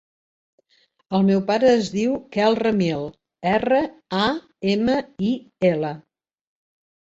El meu pare es diu Quel Ramil: erra, a, ema, i, ela.